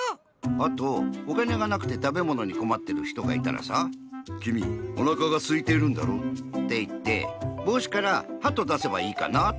あとおかねがなくてたべものにこまってるひとがいたらさ「きみおなかがすいてるんだろ？」っていってぼうしからハトだせばいいかなぁって。